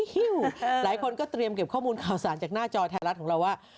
หลายคนก็เตรียมเก็บข้อมูลข่าวสารจากหน้าจอไทยรัฐของเราว่า